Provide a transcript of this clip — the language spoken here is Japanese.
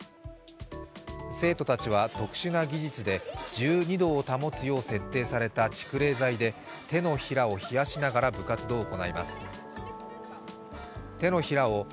生徒たちは特殊な技術で１２度を保つよう設定された蓄冷材で手のひらを冷やしながら部活動を行います。